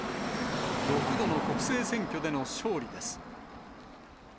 ６度の国政選挙での勝利です。